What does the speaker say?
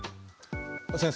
先生